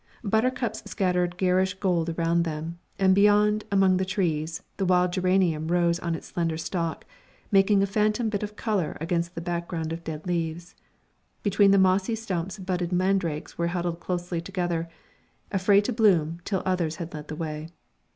Buttercups scattered garish gold around them, and beyond, among the trees, the wild geranium rose on its slender stalk, making a phantom bit of colour against the background of dead leaves. Between the mossy stumps budded mandrakes were huddled closely together, afraid to bloom till others had led the way.